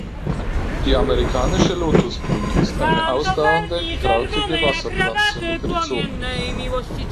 Die Amerikanische Lotosblume ist eine ausdauernde, krautige Wasserpflanze mit Rhizomen.